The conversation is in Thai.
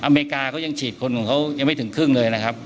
อเมริกาเขายังฉีดคนของเขายังไม่ถึงครึ่งเลยนะครับ